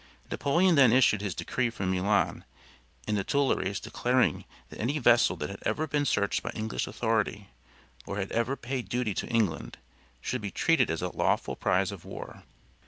Napoleon then issued his decree from Milan and the Tuileries declaring that any vessel that had ever been searched by English authority, or had ever paid duty to England, should be treated as a lawful prize of war.